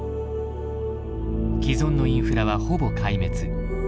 既存のインフラはほぼ壊滅。